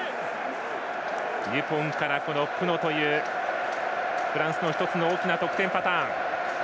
デュポンからプノというフランスの１つの大きな得点パターン。